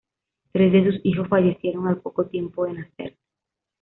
Tres de sus hijos fallecieron al poco tiempo de nacer.